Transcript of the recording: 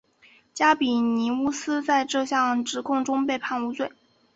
加比尼乌斯在这项指控中被判无罪。